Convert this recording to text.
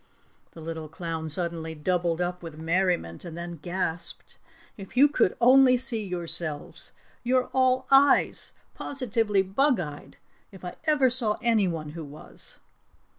The little clown suddenly doubled up with merriment and then gasped: "If you could only see yourselves! You're all eyes positively bug eyed if I ever saw anyone who was!"